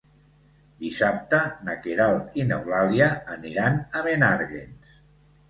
Dissabte na Queralt i n'Eulàlia aniran a Menàrguens.